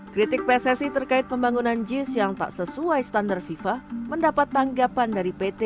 kritik pssi terkait pembangunan jis yang tak sesuai standar fifa mendapat tanggapan dari pt